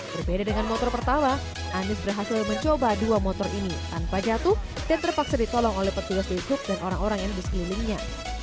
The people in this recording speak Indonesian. berbeda dengan motor pertama anies berhasil mencoba dua motor ini tanpa jatuh dan terpaksa ditolong oleh petugas di sub dan orang orang yang di sekelilingnya